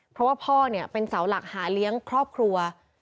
เพราะว่าพ่อเป็นเสาหลักหาเลี้ยงครอบครัว